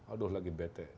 aduh lagi bete